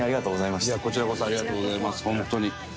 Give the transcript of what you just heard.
こちらこそありがとうございますホントに。